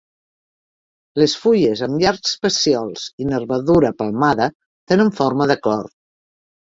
Les fulles amb llargs pecíols i nervadura palmada tenen forma de cor.